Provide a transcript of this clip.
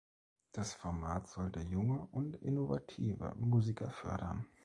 Das Format sollte junge und innovative Musiker fördern.